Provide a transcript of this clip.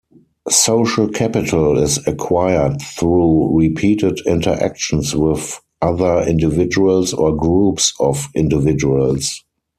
Social capital is acquired through repeated interactions with other individuals or groups of individuals.